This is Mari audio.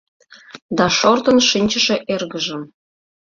Да шортын шинчыше эргыжым.